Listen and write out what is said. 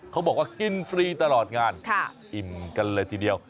เขาบอกว่ากินฟรีตลอดงานอิ่มกันเลยทีเดียว